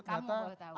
kamu baru tahu